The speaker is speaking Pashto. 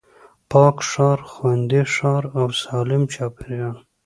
پاک ښار، خوندي ښار او سالم چاپېريال